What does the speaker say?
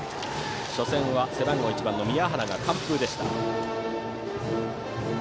初戦は背番号１番の宮原が完封でした。